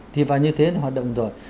thì vào như thế là hoạt động rồi